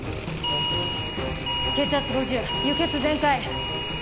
血圧５０輸血全開。